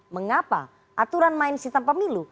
mengapa aturan main sistem pemilu